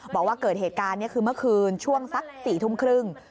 บอกว่าเกิดเหตุการณ์นี้คือเมื่อคืนช่วงสัก๔ทุ่มครึ่ง